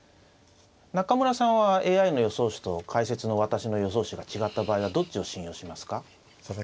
中村さんはＡＩの予想手と解説の私の予想手が違った場合はどっちを信用しますか？